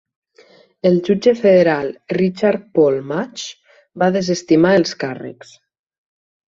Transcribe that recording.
El jutge federal Richard Paul Matsch va desestimar els càrrecs.